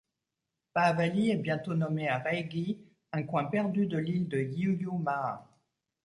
Paavali est bientôt nommé à Reigi, un coin perdu de l'île de Hiiumaa.